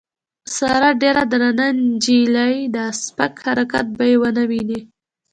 ساره ډېره درنه نجیلۍ ده سپک حرکت به یې ونه وینې.